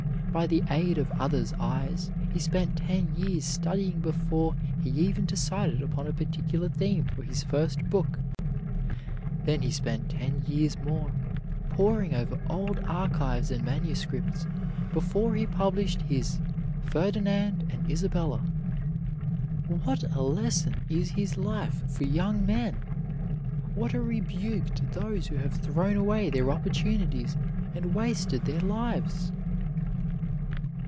By the aid of others' eyes, he spent ten years studying before he even decided upon a particular theme for his first book. Then he spent ten years more, poring over old archives and manuscripts, before he published his "Ferdinand and Isabella." What a lesson in his life for young men! What a rebuke to those who have thrown away their opportunities and wasted their lives!